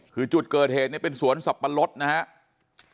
คือจุดเกิดเหตุเนี่ยเป็นสวนสับปะรดนะครับ